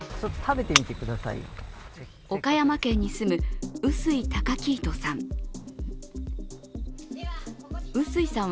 岡山県に住む臼井崇来人さん。